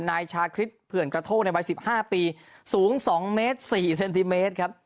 นายชาคริสเผื่อนกระโทกในวัย๑๕ปีสูง๒เมตร๔เซนติเมตรครับ